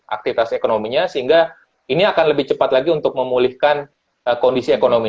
aktivitas ekonominya sehingga ini akan lebih cepat lagi untuk memulihkan kondisi ekonomi